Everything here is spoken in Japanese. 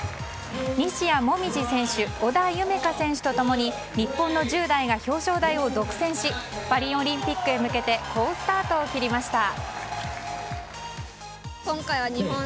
西矢椛選手、織田夢海選手と共に日本の１０代が表彰台を独占しパリオリンピックへ向けて好スタートを切りました。